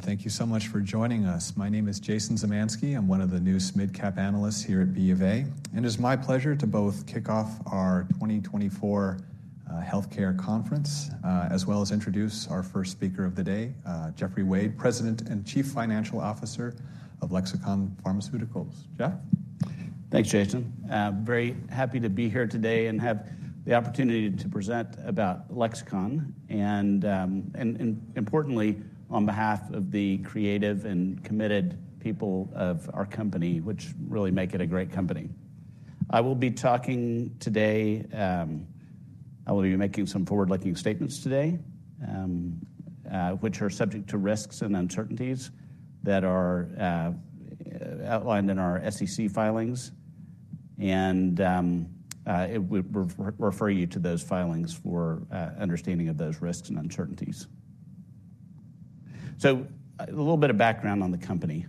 Thank you so much for joining us. My name is Jason Zemansky, I'm one of the NewsMidCap analysts here at B of A, and it's my pleasure to both kick off our 2024 healthcare conference as well as introduce our first speaker of the day, Jeffrey Wade, President and Chief Financial Officer of Lexicon Pharmaceuticals. Jeff? Thanks, Jason. Very happy to be here today and have the opportunity to present about Lexicon, and importantly on behalf of the creative and committed people of our company, which really make it a great company. I will be making some forward-looking statements today, which are subject to risks and uncertainties that are outlined in our SEC filings, and we'll refer you to those filings for understanding of those risks and uncertainties. So a little bit of background on the company.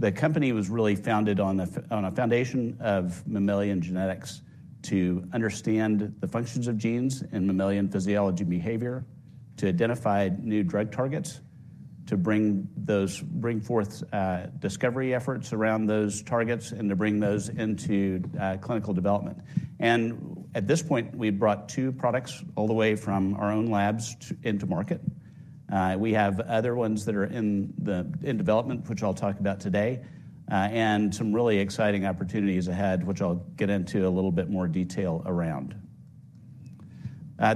The company was really founded on a foundation of mammalian genetics to understand the functions of genes in mammalian physiology, behavior, to identify new drug targets, to bring forth discovery efforts around those targets, and to bring those into clinical development. And at this point, we've brought two products all the way from our own labs into market. We have other ones that are in development, which I'll talk about today, and some really exciting opportunities ahead, which I'll get into a little bit more detail around.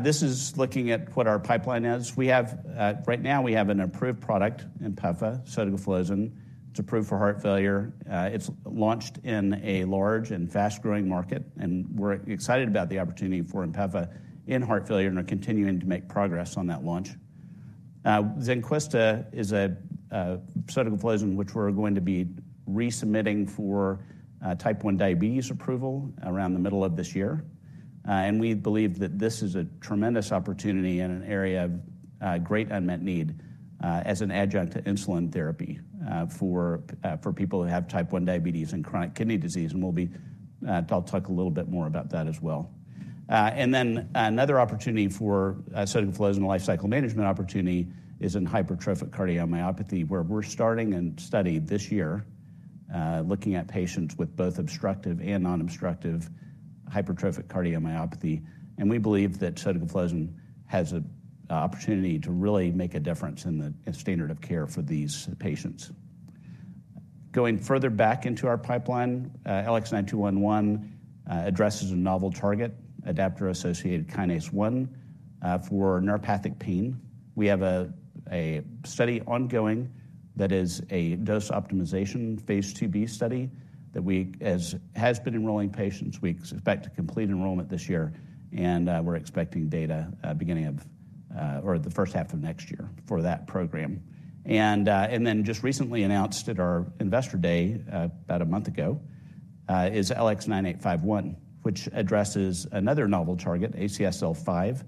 This is looking at what our pipeline is. Right now, we have an approved product, INPEFA, sotagliflozin. It's approved for heart failure. It's launched in a large and fast-growing market, and we're excited about the opportunity for INPEFA in heart failure, and we're continuing to make progress on that launch. Zynquista is a sotagliflozin which we're going to be resubmitting for type 1 diabetes approval around the middle of this year, and we believe that this is a tremendous opportunity in an area of great unmet need as an adjunct to insulin therapy for people who have type 1 diabetes and chronic kidney disease, and I'll talk a little bit more about that as well. And then another opportunity for sotagliflozin in the life cycle management opportunity is in hypertrophic cardiomyopathy, where we're starting and studying this year looking at patients with both obstructive and non-obstructive hypertrophic cardiomyopathy, and we believe that sotagliflozin has an opportunity to really make a difference in the standard of care for these patients. Going further back into our pipeline, LX9211 addresses a novel target, adaptor-associated kinase 1, for neuropathic pain. We have a study ongoing that is a dose optimization phase 2B study that has been enrolling patients. We expect to complete enrollment this year, and we're expecting data beginning of or the first half of next year for that program. And then just recently announced at our investor day about a month ago is LX9851, which addresses another novel target, ACSL5.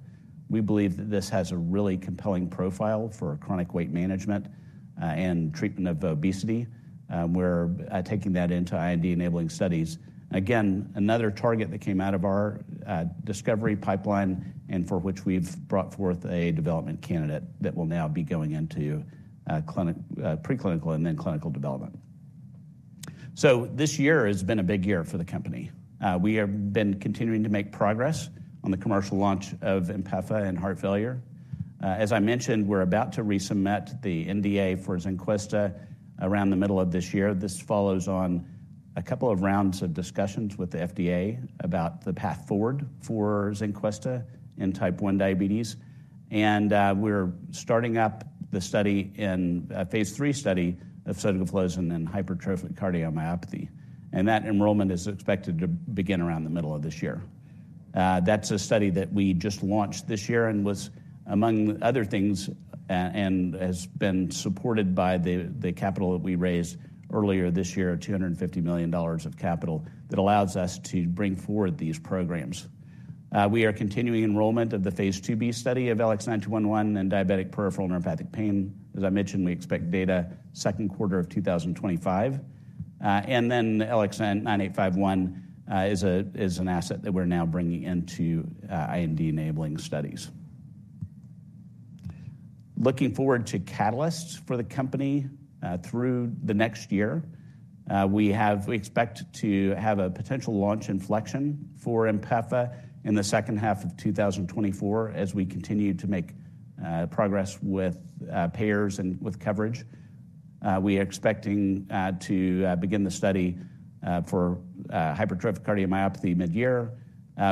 We believe that this has a really compelling profile for chronic weight management and treatment of obesity. We're taking that into IND-enabling studies. Again, another target that came out of our discovery pipeline and for which we've brought forth a development candidate that will now be going into preclinical and then clinical development. So this year has been a big year for the company. We have been continuing to make progress on the commercial launch of INPEFA in heart failure. As I mentioned, we're about to resubmit the NDA for Zynquista around the middle of this year. This follows on a couple of rounds of discussions with the FDA about the path forward for Zynquista in type 1 diabetes, and we're starting up the study in a phase III study of sotagliflozin in hypertrophic cardiomyopathy, and that enrollment is expected to begin around the middle of this year. That's a study that we just launched this year and was, among other things, and has been supported by the capital that we raised earlier this year, $250 million of capital, that allows us to bring forward these programs. We are continuing enrollment of the phase 2B study of LX9211 in diabetic peripheral neuropathic pain. As I mentioned, we expect data second quarter of 2025, and then LX9851 is an asset that we're now bringing into IND-enabling studies. Looking forward to catalysts for the company through the next year. We expect to have a potential launch inflection for INPEFA in the second half of 2024 as we continue to make progress with payers and with coverage. We are expecting to begin the study for hypertrophic cardiomyopathy mid-year.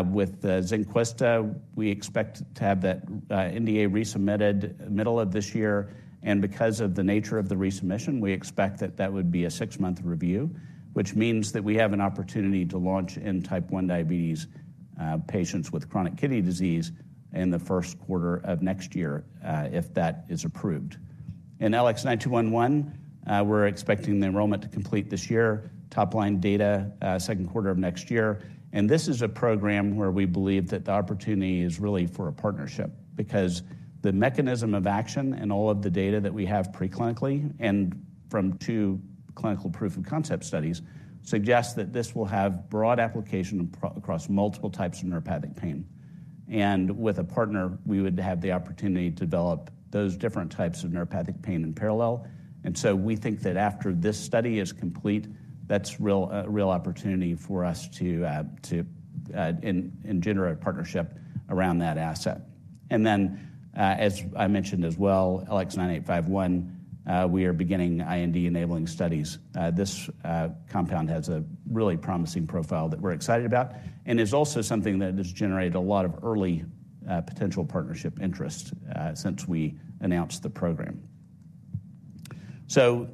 With Zynquista, we expect to have that NDA resubmitted middle of this year, and because of the nature of the resubmission, we expect that that would be a six-month review, which means that we have an opportunity to launch in type 1 diabetes patients with chronic kidney disease in the first quarter of next year if that is approved. In LX9211, we're expecting the enrollment to complete this year, top-line data second quarter of next year, and this is a program where we believe that the opportunity is really for a partnership because the mechanism of action and all of the data that we have preclinically and from two clinical proof of concept studies suggests that this will have broad application across multiple types of neuropathic pain. And with a partner, we would have the opportunity to develop those different types of neuropathic pain in parallel, and so we think that after this study is complete, that's a real opportunity for us to engender a partnership around that asset. And then, as I mentioned as well, LX9851, we are beginning IND-enabling studies. This compound has a really promising profile that we're excited about and is also something that has generated a lot of early potential partnership interest since we announced the program. So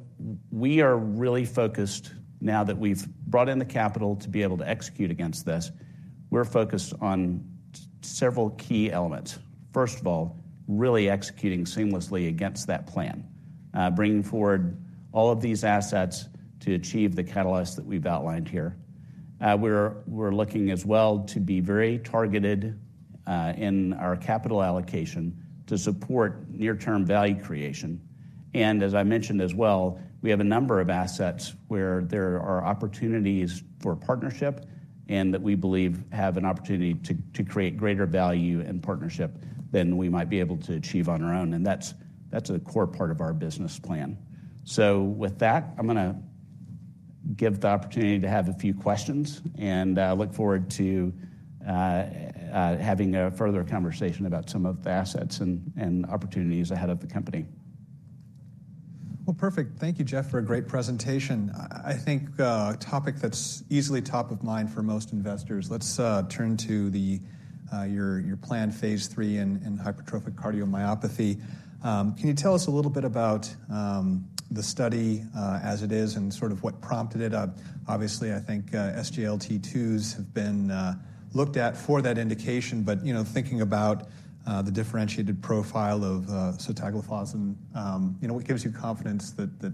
we are really focused now that we've brought in the capital to be able to execute against this. We're focused on several key elements. First of all, really executing seamlessly against that plan, bringing forward all of these assets to achieve the catalysts that we've outlined here. We're looking as well to be very targeted in our capital allocation to support near-term value creation, and as I mentioned as well, we have a number of assets where there are opportunities for partnership and that we believe have an opportunity to create greater value in partnership than we might be able to achieve on our own, and that's a core part of our business plan. So with that, I'm going to give the opportunity to have a few questions and look forward to having a further conversation about some of the assets and opportunities ahead of the company. Well, perfect. Thank you, Jeff, for a great presentation. I think a topic that's easily top of mind for most investors. Let's turn to your planned phase III in hypertrophic cardiomyopathy. Can you tell us a little bit about the study as it is and sort of what prompted it? Obviously, I think SGLT2s have been looked at for that indication, but thinking about the differentiated profile of sotagliflozin, what gives you confidence that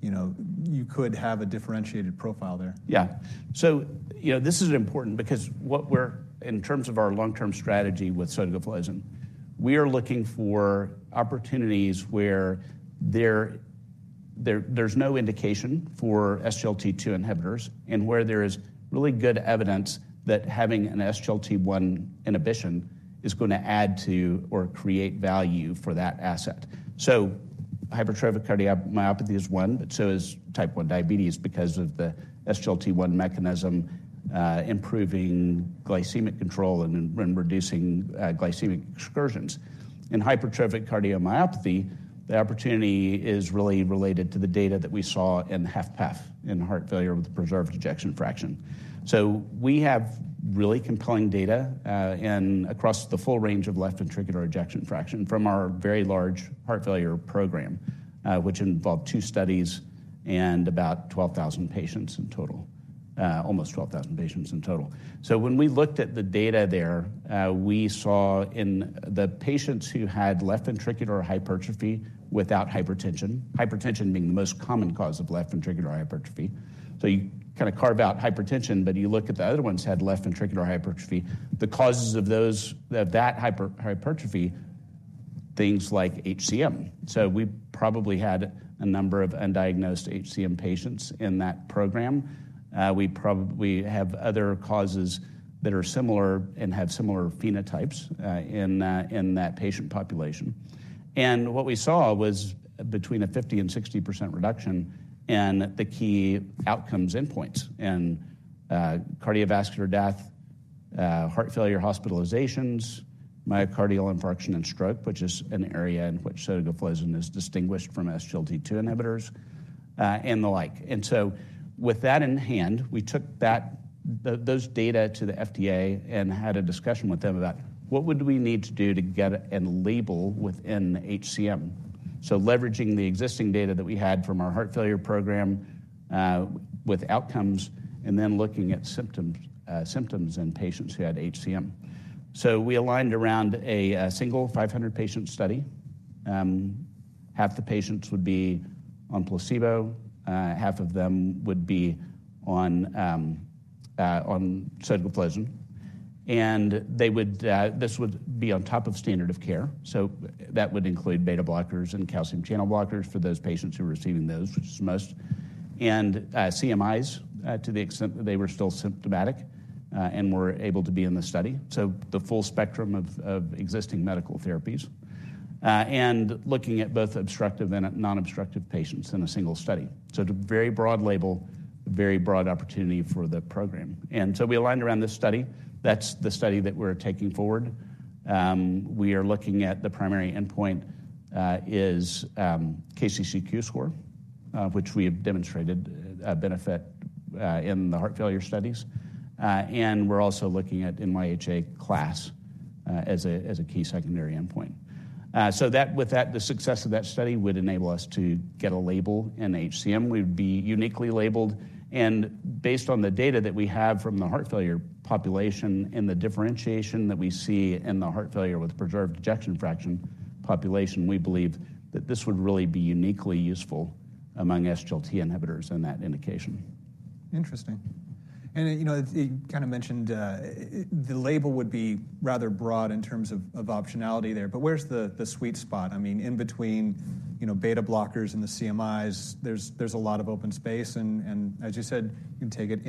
you could have a differentiated profile there? Yeah. So this is important because what we're in terms of our long-term strategy with sotagliflozin, we are looking for opportunities where there's no indication for SGLT2 inhibitors and where there is really good evidence that having an SGLT1 inhibition is going to add to or create value for that asset. So hypertrophic cardiomyopathy is one, but so is type 1 diabetes because of the SGLT1 mechanism improving glycemic control and reducing glycemic excursions. In hypertrophic cardiomyopathy, the opportunity is really related to the data that we saw in HFpEF in heart failure with preserved ejection fraction. So we have really compelling data across the full range of left ventricular ejection fraction from our very large heart failure program, which involved two studies and about 12,000 patients in total, almost 12,000 patients in total. So when we looked at the data there, we saw in the patients who had left ventricular hypertrophy without hypertension, hypertension being the most common cause of left ventricular hypertrophy, so you kind of carve out hypertension, but you look at the other ones who had left ventricular hypertrophy, the causes of that hypertrophy, things like HCM. So we probably had a number of undiagnosed HCM patients in that program. We have other causes that are similar and have similar phenotypes in that patient population. And what we saw was between a 50%-60% reduction in the key outcomes endpoints in cardiovascular death, heart failure hospitalizations, myocardial infarction, and stroke, which is an area in which sotagliflozin is distinguished from SGLT2 inhibitors, and the like. With that in hand, we took those data to the FDA and had a discussion with them about what we would need to do to get and label within HCM, so leveraging the existing data that we had from our heart failure program with outcomes and then looking at symptoms in patients who had HCM. We aligned around a single 500-patient study. Half the patients would be on placebo, half of them would be on sotagliflozin, and this would be on top of standard of care. That would include beta-blockers and calcium channel blockers for those patients who were receiving those, which is most, and CMIs to the extent that they were still symptomatic and were able to be in the study, so the full spectrum of existing medical therapies, and looking at both obstructive and non-obstructive patients in a single study. So it's a very broad label, very broad opportunity for the program. And so we aligned around this study. That's the study that we're taking forward. We are looking at the primary endpoint is KCCQ score, which we have demonstrated benefit in the heart failure studies, and we're also looking at NYHA class as a key secondary endpoint. So with that, the success of that study would enable us to get a label in HCM. We would be uniquely labeled, and based on the data that we have from the heart failure population and the differentiation that we see in the heart failure with preserved ejection fraction population, we believe that this would really be uniquely useful among SGLT2 inhibitors in that indication. Interesting. You kind of mentioned the label would be rather broad in terms of optionality there, but where's the sweet spot? I mean, in between beta-blockers and the CMIs, there's a lot of open space, and as you said, you can take it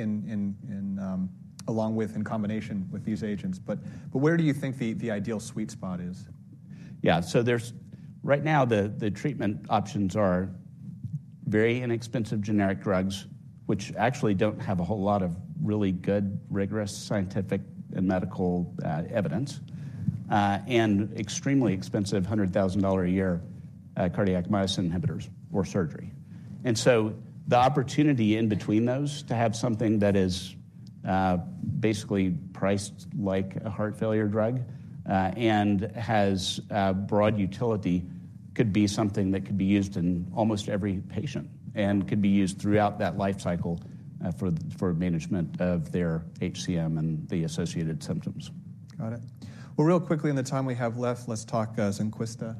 along with in combination with these agents, but where do you think the ideal sweet spot is? Yeah. So right now, the treatment options are very inexpensive generic drugs, which actually don't have a whole lot of really good rigorous scientific and medical evidence, and extremely expensive $100,000-a-year cardiac myosin inhibitors or surgery. And so the opportunity in between those to have something that is basically priced like a heart failure drug and has broad utility could be something that could be used in almost every patient and could be used throughout that life cycle for management of their HCM and the associated symptoms. Got it. Well, real quickly, in the time we have left, let's talk Zynquista.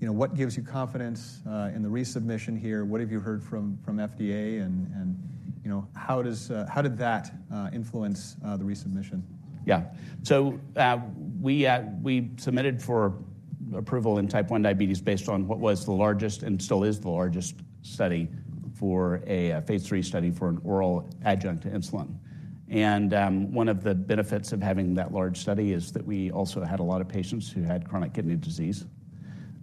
What gives you confidence in the resubmission here? What have you heard from FDA, and how did that influence the resubmission? Yeah. So we submitted for approval in Type 1 diabetes based on what was the largest and still is the largest study for a phase III study for an oral adjunct to insulin. One of the benefits of having that large study is that we also had a lot of patients who had Chronic Kidney Disease.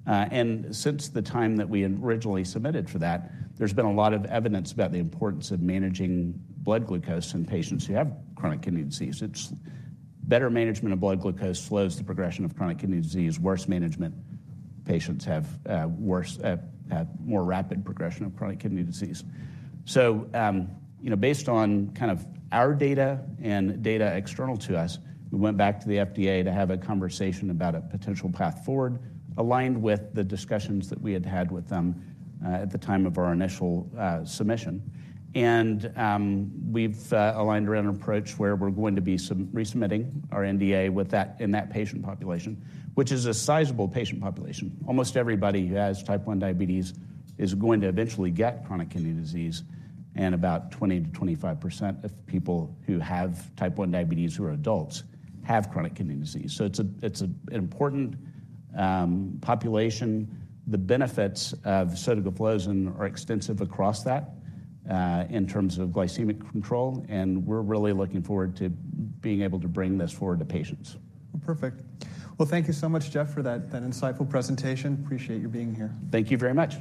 Since the time that we originally submitted for that, there's been a lot of evidence about the importance of managing blood glucose in patients who have Chronic Kidney Disease. Better management of blood glucose slows the progression of Chronic Kidney Disease. Worse management, patients have more rapid progression of Chronic Kidney Disease. So based on kind of our data and data external to us, we went back to the FDA to have a conversation about a potential path forward aligned with the discussions that we had had with them at the time of our initial submission. We've aligned around an approach where we're going to be resubmitting our NDA in that patient population, which is a sizable patient population. Almost everybody who has type 1 diabetes is going to eventually get chronic kidney disease, and about 20%-25% of people who have type 1 diabetes who are adults have chronic kidney disease. So it's an important population. The benefits of sotagliflozin are extensive across that in terms of glycemic control, and we're really looking forward to being able to bring this forward to patients. Well, perfect. Well, thank you so much, Jeff, for that insightful presentation. Appreciate your being here. Thank you very much.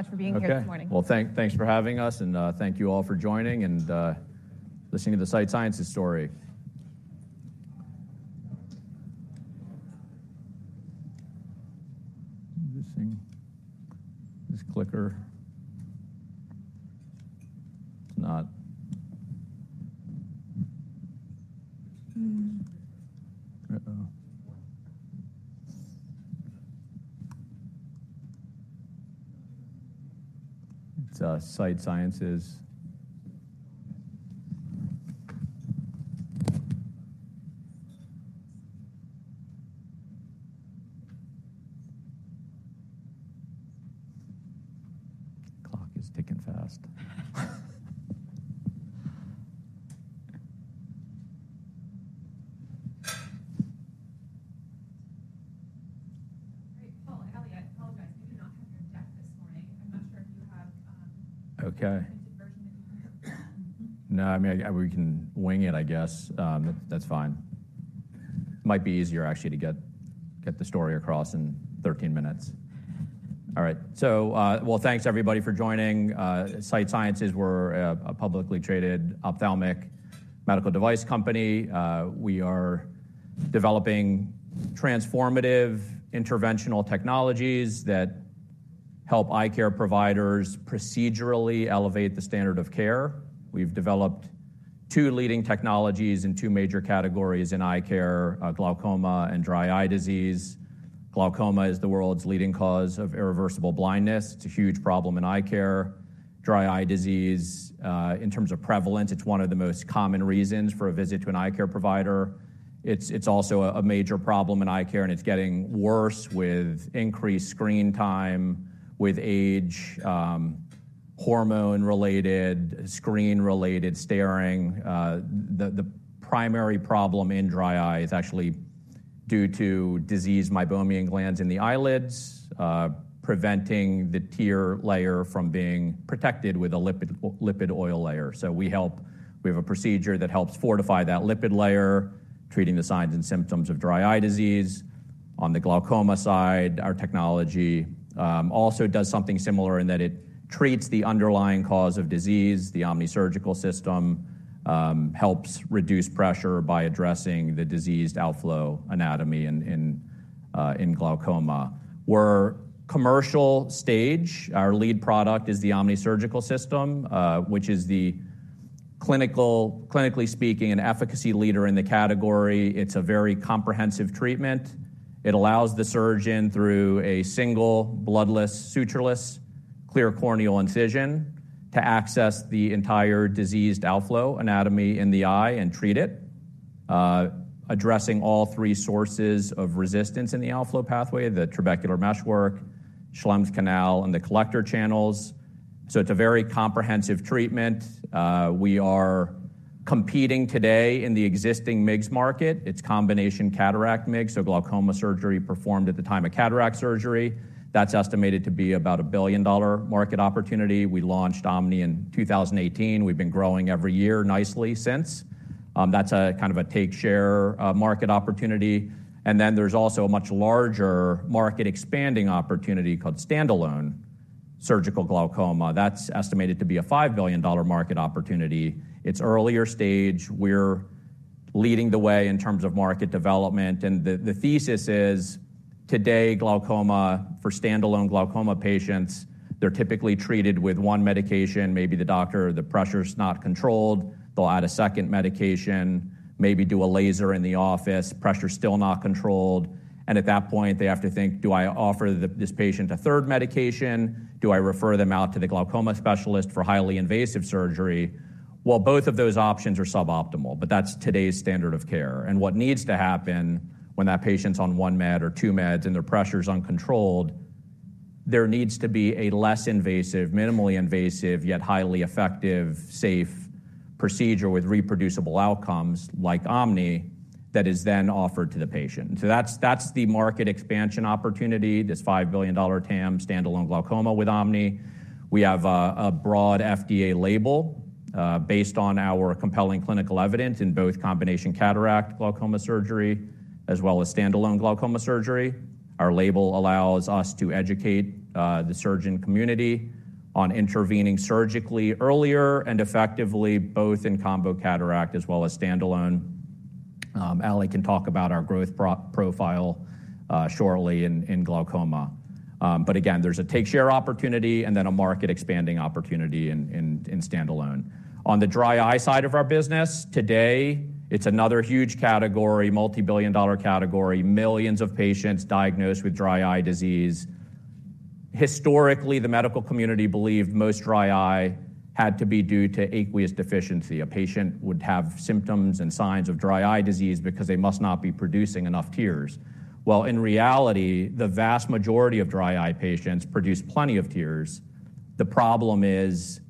I'm not sitting under that for you. Thanks so much for being here this morning. Well, thanks for having us, and thank you all for joining and listening to the Sight Sciences story. I'm missing this clicker. It's not. Uh-oh. It's Sight Sciences. The clock is ticking fast. Great. Paul, Ali, I apologize. We do not have your deck this morning. I'm not sure if you have a printed version that you can have. No, I mean, we can wing it, I guess. That's fine. It might be easier, actually, to get the story across in 13 minutes. All right. Well, thanks, everybody, for joining. Sight Sciences, we're a publicly traded ophthalmic medical device company. We are developing transformative interventional technologies that help eye care providers procedurally elevate the standard of care. We've developed two leading technologies in two major categories in eye care: glaucoma and dry eye disease. Glaucoma is the world's leading cause of irreversible blindness. It's a huge problem in eye care. Dry eye disease, in terms of prevalence, it's one of the most common reasons for a visit to an eye care provider. It's also a major problem in eye care, and it's getting worse with increased screen time, with age, hormone-related, screen-related staring. The primary problem in dry eye is actually due to diseased meibomian glands in the eyelids, preventing the tear layer from being protected with a lipid oil layer. So we have a procedure that helps fortify that lipid layer, treating the signs and symptoms of dry eye disease. On the glaucoma side, our technology also does something similar in that it treats the underlying cause of disease, the OMNI Surgical System, helps reduce pressure by addressing the diseased outflow anatomy in glaucoma. We're commercial stage. Our lead product is the OMNI Surgical System, which is, clinically speaking, an efficacy leader in the category. It's a very comprehensive treatment. It allows the surgeon, through a single, bloodless, sutureless, clear corneal incision, to access the entire diseased outflow anatomy in the eye and treat it, addressing all three sources of resistance in the outflow pathway: the trabecular meshwork, Schlemm's canal, and the collector channels. So it's a very comprehensive treatment. We are competing today in the existing MIGS market. It's combination cataract MIGS, so glaucoma surgery performed at the time of cataract surgery. That's estimated to be about a billion-dollar market opportunity. We launched OMNI in 2018. We've been growing every year nicely since. That's kind of a take-share market opportunity. And then there's also a much larger market expanding opportunity called standalone surgical glaucoma. That's estimated to be a $5 billion market opportunity. It's earlier stage. We're leading the way in terms of market development. And the thesis is, today, glaucoma, for standalone glaucoma patients, they're typically treated with one medication. Maybe the doctor, the pressure's not controlled. They'll add a second medication, maybe do a laser in the office. Pressure's still not controlled. And at that point, they have to think, do I offer this patient a third medication? Do I refer them out to the glaucoma specialist for highly invasive surgery? Well, both of those options are suboptimal, but that's today's standard of care. What needs to happen when that patient's on one med or two meds and their pressure's uncontrolled, there needs to be a less invasive, minimally invasive, yet highly effective, safe procedure with reproducible outcomes like OMNI that is then offered to the patient. So that's the market expansion opportunity, this $5 billion TAM standalone glaucoma with OMNI. We have a broad FDA label based on our compelling clinical evidence in both combination cataract glaucoma surgery as well as standalone glaucoma surgery. Our label allows us to educate the surgeon community on intervening surgically earlier and effectively, both in combo cataract as well as standalone. Ali can talk about our growth profile shortly in glaucoma. But again, there's a take-share opportunity and then a market expanding opportunity in standalone. On the dry eye side of our business, today, it's another huge category, multibillion-dollar category, millions of patients diagnosed with dry eye disease. Historically, the medical community believed most dry eye had to be due to aqueous deficiency. A patient would have symptoms and signs of dry eye disease because they must not be producing enough tears. Well, in reality, the vast majority of dry eye patients produce plenty of tears. The problem is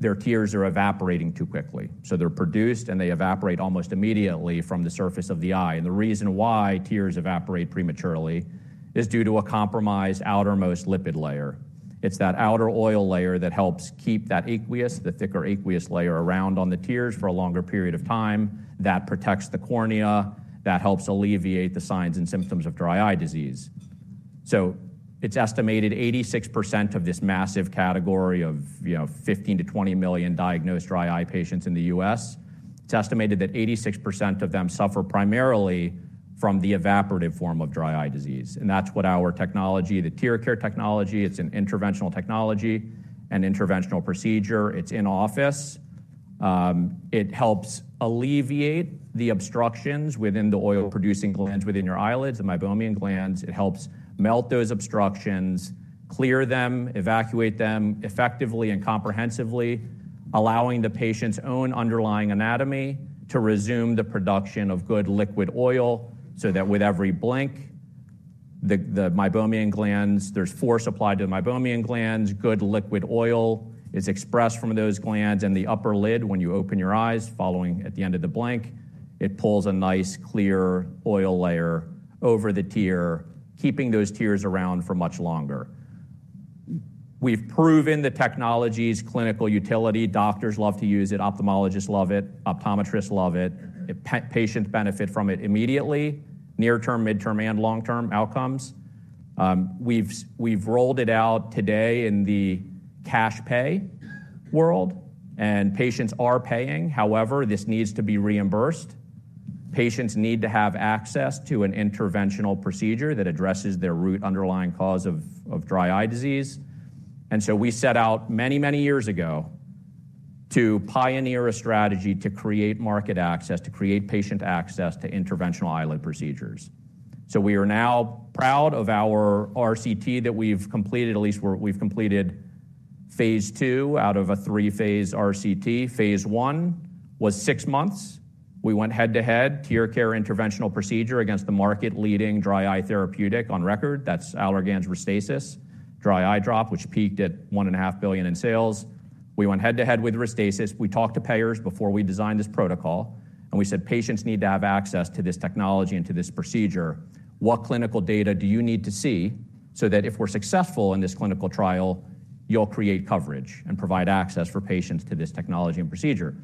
their tears are evaporating too quickly. So they're produced, and they evaporate almost immediately from the surface of the eye. And the reason why tears evaporate prematurely is due to a compromised outermost lipid layer. It's that outer oil layer that helps keep that aqueous, the thicker aqueous layer around on the tears for a longer period of time. That protects the cornea. That helps alleviate the signs and symptoms of dry eye disease. So it's estimated 86% of this massive category of 15 million-20 million diagnosed dry eye patients in the U.S., it's estimated that 86% of them suffer primarily from the evaporative form of dry eye disease. And that's what our technology, the TearCare technology, it's an interventional technology and interventional procedure. It's in office. It helps alleviate the obstructions within the oil-producing glands within your eyelids, the meibomian glands. It helps melt those obstructions, clear them, evacuate them effectively and comprehensively, allowing the patient's own underlying anatomy to resume the production of good liquid oil so that with every blink, the meibomian glands, there's force applied to the meibomian glands. Good liquid oil is expressed from those glands. The upper lid, when you open your eyes following at the end of the blink, it pulls a nice, clear oil layer over the tear, keeping those tears around for much longer. We've proven the technology's clinical utility. Doctors love to use it. Ophthalmologists love it. Optometrists love it. Patients benefit from it immediately, near-term, mid-term, and long-term outcomes. We've rolled it out today in the cash pay world, and patients are paying. However, this needs to be reimbursed. Patients need to have access to an interventional procedure that addresses their root underlying cause of dry eye disease. We set out many, many years ago to pioneer a strategy to create market access, to create patient access to interventional eyelid procedures. We are now proud of our RCT that we've completed, at least we've completed phase II out of a III phase RCT. phase I was six months. We went head-to-head, TearCare interventional procedure against the market-leading dry eye therapeutic on record. That's Allergan's Restasis, dry eye drop, which peaked at $1.5 billion in sales. We went head-to-head with Restasis. We talked to payers before we designed this protocol, and we said, patients need to have access to this technology and to this procedure. What clinical data do you need to see so that if we're successful in this clinical trial, you'll create coverage and provide access for patients to this technology and procedure?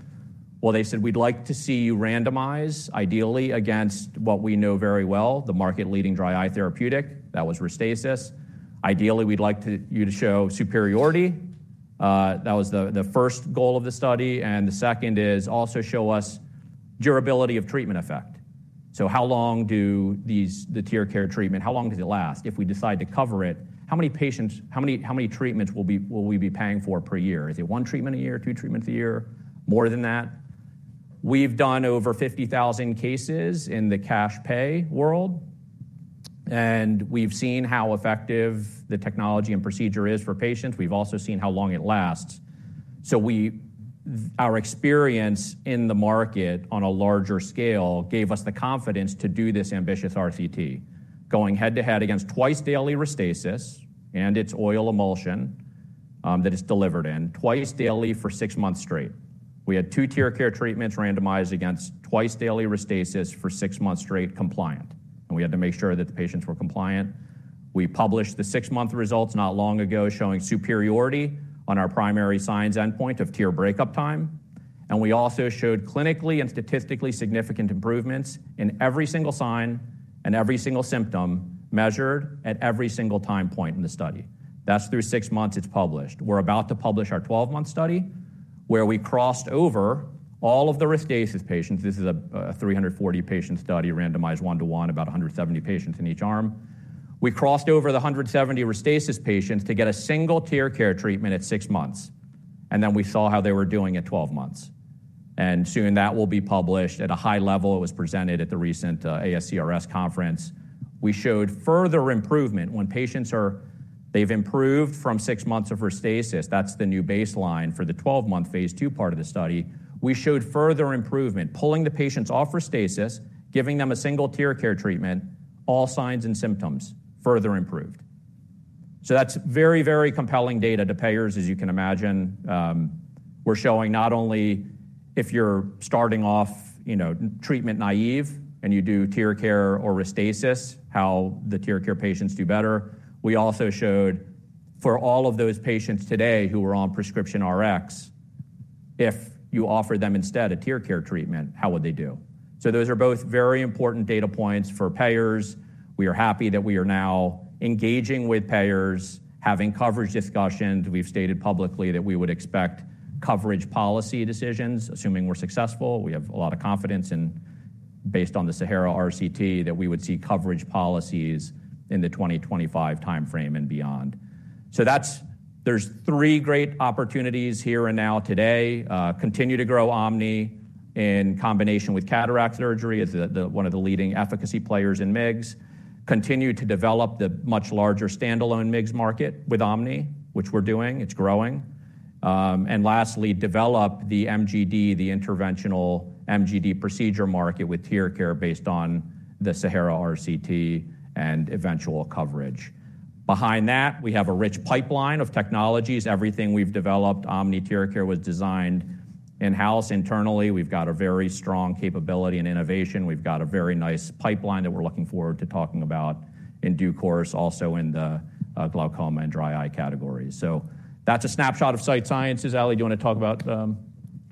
Well, they said, we'd like to see you randomize, ideally, against what we know very well, the market-leading dry eye therapeutic. That was Restasis. Ideally, we'd like you to show superiority. That was the first goal of the study. The second is also show us durability of treatment effect. So how long does the TearCare treatment, how long does it last? If we decide to cover it, how many treatments will we be paying for per year? Is it one treatment a year, two treatments a year, more than that? We've done over 50,000 cases in the cash pay world, and we've seen how effective the technology and procedure is for patients. We've also seen how long it lasts. So our experience in the market on a larger scale gave us the confidence to do this ambitious RCT, going head-to-head against twice daily Restasis and its oil emulsion that it's delivered in, twice daily for six months straight. We had two TearCare treatments randomized against twice daily Restasis for six months straight compliant. And we had to make sure that the patients were compliant. We published the six-month results not long ago showing superiority on our primary signs endpoint of tear breakup time. And we also showed clinically and statistically significant improvements in every single sign and every single symptom measured at every single time point in the study. That's through six months. It's published. We're about to publish our 12-month study where we crossed over all of the Restasis patients. This is a 340 patient study, randomized one-to-one, about 170 patients in each arm. We crossed over the 170 Restasis patients to get a single TearCare treatment at six months. And then we saw how they were doing at 12 months. And soon that will be published. At a high level, it was presented at the recent ASCRS conference. We showed further improvement when they've improved from six months of Restasis. That's the new baseline for the 12-month phase II part of the study. We showed further improvement, pulling the patients off Restasis, giving them a single TearCare treatment, all signs and symptoms further improved. So that's very, very compelling data to payers, as you can imagine. We're showing not only if you're starting off treatment naive and you do TearCare or Restasis, how the TearCare patients do better. We also showed, for all of those patients today who were on prescription Rx, if you offered them instead a TearCare treatment, how would they do? So those are both very important data points for payers. We are happy that we are now engaging with payers, having coverage discussions. We've stated publicly that we would expect coverage policy decisions, assuming we're successful. We have a lot of confidence in, based on the SAHARA RCT, that we would see coverage policies in the 2025 time frame and beyond. So there's three great opportunities here and now today: continue to grow OMNI in combination with cataract surgery as one of the leading efficacy players in MIGS. Continue to develop the much larger standalone MIGS market with OMNI, which we're doing. It's growing. And lastly, develop the MGD, the interventional MGD procedure market with TearCare based on the SAHARA RCT and eventual coverage. Behind that, we have a rich pipeline of technologies. Everything we've developed, OMNI TearCare, was designed in-house internally. We've got a very strong capability and innovation. We've got a very nice pipeline that we're looking forward to talking about in due course, also in the glaucoma and dry eye categories. So that's a snapshot of Sight Sciences. Ali, do you want to talk about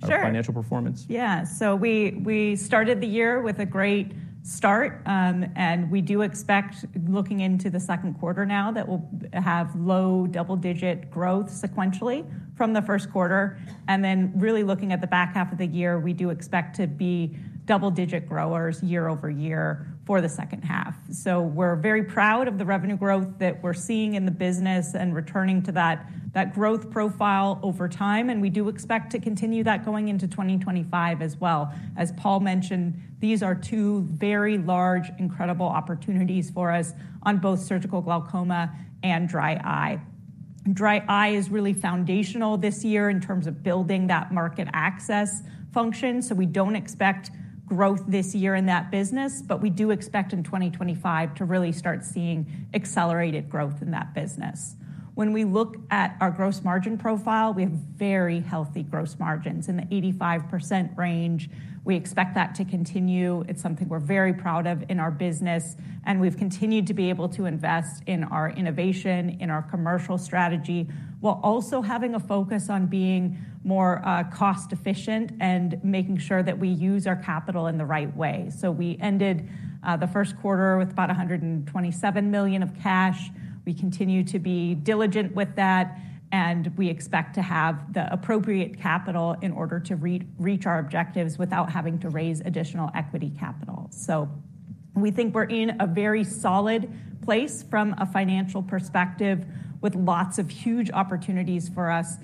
financial performance? Sure. Yeah. So we started the year with a great start. And we do expect, looking into the second quarter now, that we'll have low double-digit growth sequentially from the first quarter. And then really looking at the back half of the year, we do expect to be double-digit growers year-over-year for the second half. So we're very proud of the revenue growth that we're seeing in the business and returning to that growth profile over time. And we do expect to continue that going into 2025 as well. As Paul mentioned, these are two very large, incredible opportunities for us on both surgical glaucoma and dry eye. Dry eye is really foundational this year in terms of building that market access function. So we don't expect growth this year in that business. We do expect in 2025 to really start seeing accelerated growth in that business. When we look at our gross margin profile, we have very healthy gross margins in the 85% range. We expect that to continue. It's something we're very proud of in our business. We've continued to be able to invest in our innovation, in our commercial strategy while also having a focus on being more cost-efficient and making sure that we use our capital in the right way. So we ended the first quarter with about $127 million of cash. We continue to be diligent with that. We expect to have the appropriate capital in order to reach our objectives without having to raise additional equity capital. So we think we're in a very solid place from a financial perspective, with lots of huge opportunities for us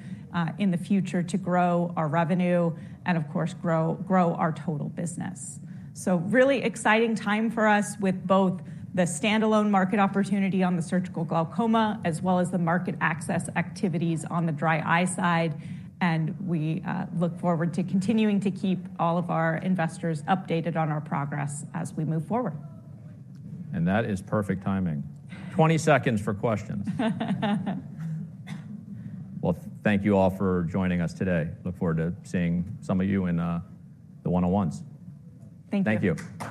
in the future to grow our revenue and, of course, grow our total business. So really exciting time for us with both the standalone market opportunity on the surgical glaucoma as well as the market access activities on the dry eye side. And we look forward to continuing to keep all of our investors updated on our progress as we move forward. And that is perfect timing. 20 seconds for questions. Well, thank you all for joining us today. Look forward to seeing some of you in the one-on-ones. Thank you. Thank you.